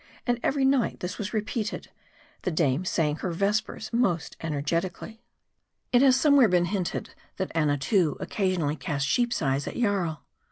And every night this was repeated ; the dame saying her vespers most energetically. It has somewhere been hinted, that Annatoo occasionally cast sheep's eyes at Jarl.